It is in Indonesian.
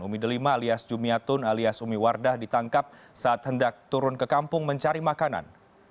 umi delima alias jumiatun alias umi wardah ditangkap saat hendak turun ke kampung mencari makanan